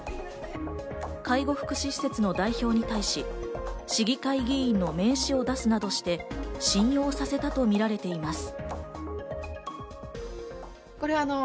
介護福祉施設の代表に対し、市議会議員の名刺を出すなどして信用させたとみられています。